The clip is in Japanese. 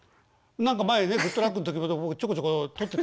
何か前ね「グッとラック！」の時もちょこちょこ撮ってたものね。